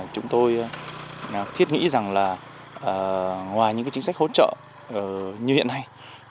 chúng tôi thiết nghĩ rằng là ngoài những chính sách hỗ trợ như hiện nay